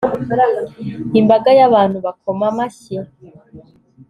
imbaga y'abantu bakoma amashyi